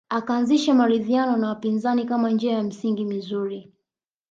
Akaanzisha maridhiano na wapinzani kama njia ya msingi mizuri